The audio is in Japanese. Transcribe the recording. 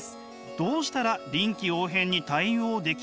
どうしたら臨機応変に対応できますか？」。